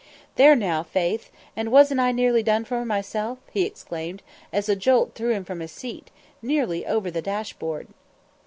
"There now, faith, and wasn't I nearly done for myself?" he exclaimed, as a jolt threw him from his seat, nearly over the dash board.